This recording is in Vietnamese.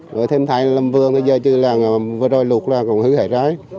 rồi thêm thay làm vườn giờ chứ là vừa rồi lụt là còn hư hết rồi